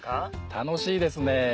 楽しいですね